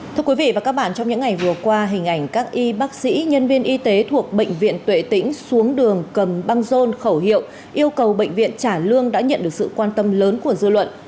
thưa quý vị và các bạn trong những ngày vừa qua hình ảnh các y bác sĩ nhân viên y tế thuộc bệnh viện tuệ tĩnh xuống đường cầm băng rôn khẩu hiệu yêu cầu bệnh viện trả lương đã nhận được sự quan tâm lớn của dư luận